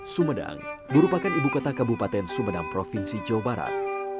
sumedang merupakan ibu kota kabupaten sumedang provinsi jawa barat